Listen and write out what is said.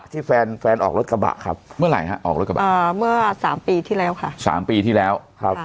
ที่แฟนออกรถกระบะครับเมื่อไหร่ฮะออกรถกระบะเมื่อ๓ปีที่แล้วค่ะ